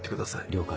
了解。